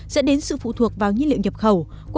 dẫn đến sự phụ thuộc vào nhiên liệu nhập khẩu